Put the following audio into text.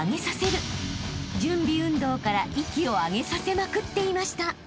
［準備運動から息を上げさせまくっていました］